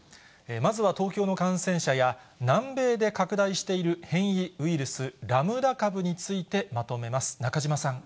まずは東京の感染者や、南米で拡大している変異ウイルス、ラムダ株についてまとめます。